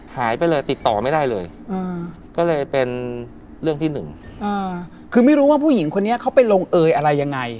หายไปเลยติดต่อไม่ได้เลยก็เลยเป็นเรื่องที่หนึ่งคือไม่รู้ว่าผู้หญิงคนนี้เขาไปลงเอยอะไรยังไง